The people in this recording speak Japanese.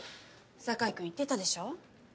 境君言ってたでしょう？